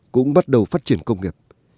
cũng bắt đầu phát triển công nghiệp